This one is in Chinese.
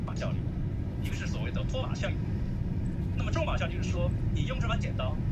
强调探究过程而不是现成的知识。